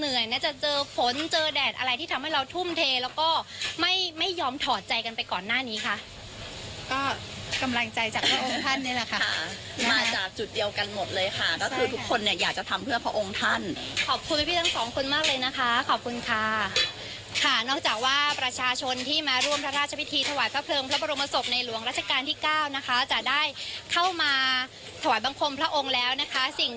เนี้ยจะเจอผลเจอแดดอะไรที่ทำให้เราทุ่มเทแล้วก็ไม่ไม่ยอมถอดใจกันไปก่อนหน้านี้ค่ะก็กำลังใจจากพระองค์ท่านเนี้ยแหละค่ะค่ะมาจากจุดเดียวกันหมดเลยค่ะถ้าทุกคนเนี้ยอยากจะทำเพื่อพระองค์ท่านขอบคุณพี่พี่ทั้งสองคนมากเลยนะคะขอบคุณค่ะค่ะนอกจากว่าประชาชนที่มาร่วมพระราชพิธีถวายพระเพลิง